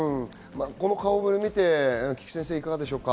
この顔触れを見て、菊地先生いかがでしょう。